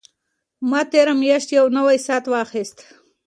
ما تېره میاشت یو نوی ساعت واخیست.